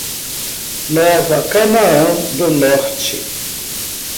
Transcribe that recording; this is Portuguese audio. Nova Canaã do Norte